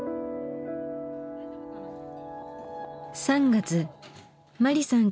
３月マリさん